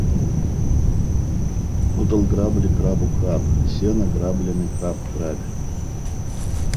Подал грабли крабу краб: сено, граблями краб грабь